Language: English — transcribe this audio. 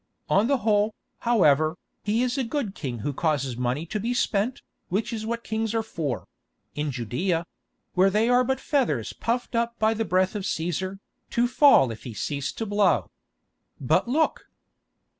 On the whole, however, he is a good king who causes money to be spent, which is what kings are for—in Judæa—where they are but feathers puffed up by the breath of Cæsar, to fall if he cease to blow. But look!"